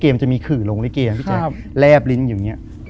ตอนนี้คือขึหลงในเกม